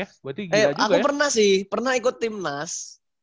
eh aku pernah sih pernah ikut tim nas